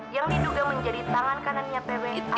yang diduga menjadi tangan kanannya pw atas tuduhan pembunuhan